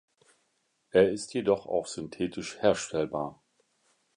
Er ist jedoch auch synthetisch herstellbar.